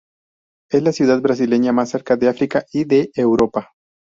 Es la ciudad brasileña más cerca de África y de Europa.